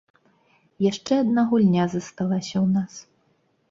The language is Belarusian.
Яшчэ адна гульня засталася ў нас.